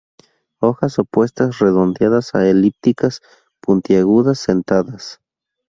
Hojas opuestas, redondeadas a elípticas, puntiagudas, sentadas.